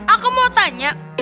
aku mau tanya